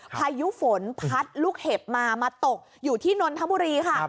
พายุฝนพัดลูกเห็บมามาตกอยู่ที่นนทบุรีค่ะ